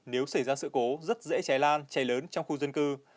nếu xảy ra sự cố rất dễ cháy lan cháy lớn trong khu dân cư